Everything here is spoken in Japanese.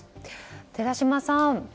寺嶋さん